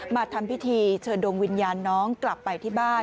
มาทำพิธีเชิญดวงวิญญาณน้องกลับไปที่บ้าน